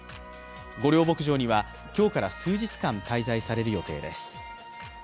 御料牧場には今日から数日間、滞在される予定です。